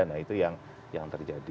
nah itu yang terjadi